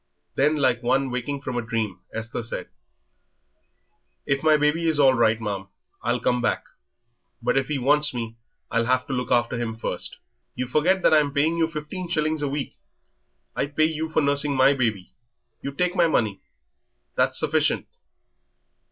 Then, like one waking from a dream, Esther said: "If my baby is all right, ma'am, I'll come back, but if he wants me, I'll have to look after him first." "You forget that I'm paying you fifteen shillings a week. I pay you for nursing my baby; you take my money, that's sufficient."